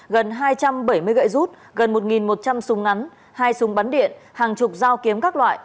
gần hai trăm bảy mươi gậy rút gần một một trăm linh súng ngắn hai súng bắn điện hàng chục dao kiếm các loại